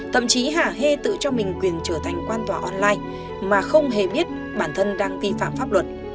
thậm chí hà hê tự cho mình quyền trở thành quan tòa online mà không hề biết bản thân đang vi phạm pháp luật